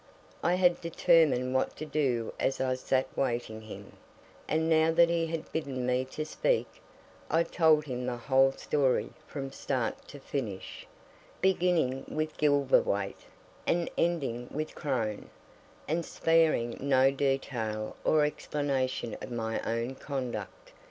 I had determined what to do as I sat waiting him; and now that he had bidden me to speak, I told him the whole story from start to finish, beginning with Gilverthwaite and ending with Crone, and sparing no detail or explanation of my own conduct.